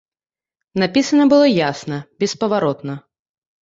Напісана было ясна, беспаваротна.